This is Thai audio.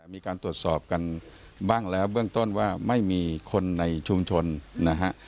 มีการตรวจสอบกันบ้างแล้วเบื้องต้นว่าไม่มีคนในชุมชนนะฮะ